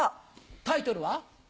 タイトルは？